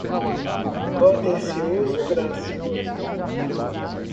contencioso, gracioso